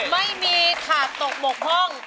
ไม่มีขาดตกหมกพ่อง